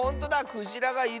クジラがいる！